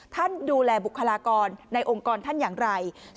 ท่านดูแลบุคลากรในองค์กรท่านอย่างไร